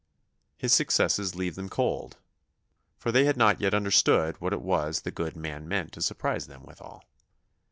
His successes leave them cold, for they had not yet understood what it was the good man meant to surprise them withal.